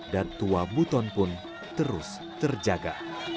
dan tua buton pun terus terjaga